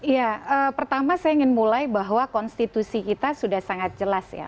ya pertama saya ingin mulai bahwa konstitusi kita sudah sangat jelas ya